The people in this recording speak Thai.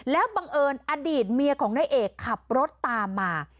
แล้วบังเอิญอดีตเมียของนายเอกขับรถตามมา